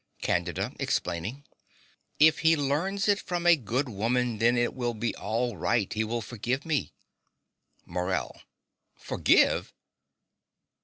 CANDIDA (explaining). If he learns it from a good woman, then it will be all right: he will forgive me. MORELL. Forgive!